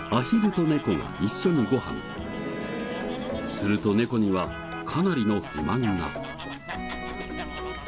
すると猫にはかなりの不満が。